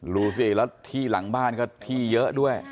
รู้สิบ่าและทีหลังบ้านก็ทีเยอะด้วย